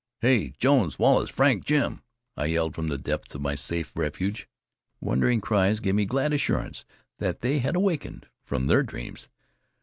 "Hey! Jones! Wallace! Frank! Jim!" I yelled, from the depths of my safe refuge. Wondering cries gave me glad assurance that they had awakened from their dreams.